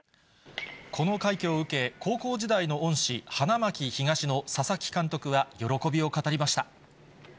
この快挙を受け、高校時代の恩師、花巻東の佐々木監督は喜びを語りました。